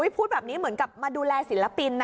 พูดแบบนี้เหมือนกับมาดูแลศิลปินนะ